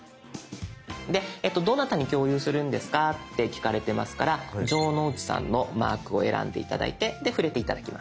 どなたに共有するんですか？って聞かれてますから城之内さんのマークを選んで頂いてで触れて頂きます。